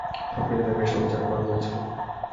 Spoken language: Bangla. সবকিছুই বেশ অভিজাত মনে হয়েছিল।